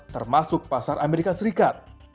termasuk pasar amerika serikat